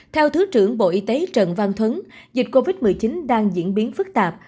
theo thứ trưởng bộ y tế trần văn thuấn dịch covid một mươi chín đang diễn biến phức tạp